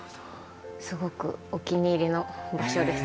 すごくお気に入りの場所です。